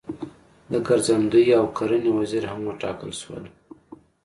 د ګرځندوی او کرنې وزیر هم وټاکل شول.